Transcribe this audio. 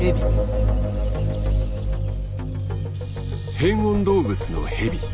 変温動物のヘビ。